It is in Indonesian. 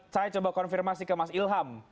saya coba konfirmasi ke mas ilham